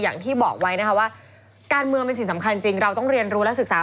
อย่างที่บอกไว้นะคะว่าการเมืองเป็นสิ่งสำคัญจริงเราต้องเรียนรู้และศึกษา